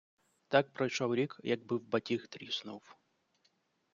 Так пройшов рік, якби в батіг тріснув.